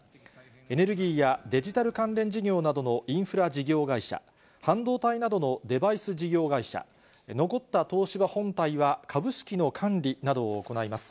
エネルギーやデジタル関連事業などのインフラ事業会社、半導体などのデバイス事業会社、残った東芝本体は、株式の管理などを行います。